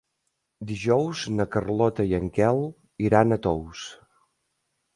Dijous na Carlota i en Quel iran a Tous.